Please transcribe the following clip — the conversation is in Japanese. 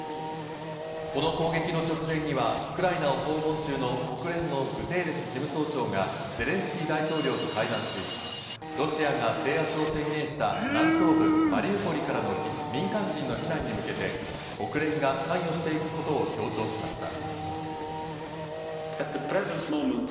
この攻撃の直前にはウクライナを訪問中の国連のグテーレス事務総長がゼレンスキー大統領と会談し、ロシアが制圧を宣言した南東部マリウポリからの民間人の避難に向けて国連が関与していくことを強調しました。